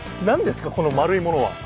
この円いものは。